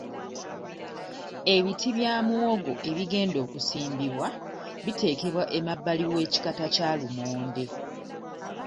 Ebiti bya muwogo ebigenda okusimbibwa biteekebwa emabbali w'ekikata kya limonde.